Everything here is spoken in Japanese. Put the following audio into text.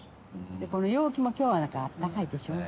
この陽気も今日はあったかいでしょう。